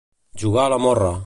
Jugar a la morra.